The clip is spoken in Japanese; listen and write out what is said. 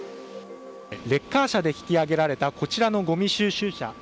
レッカー車で引き揚げられたこちらのごみ収集車。